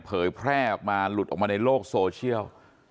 เผยแพร่ออกมาหลุดออกมาในโลกโซเชียล